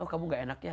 oh kamu gak enak ya